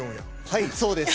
はい、そうです。